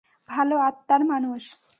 ভালো আত্মার মানুষ।